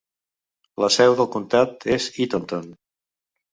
La seu del comtat és Eatonton.